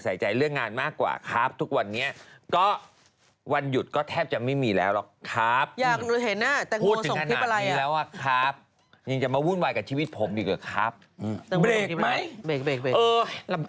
ซึ่งแบบไม่รู้มีงานมั้งหรอกหรือเปล่า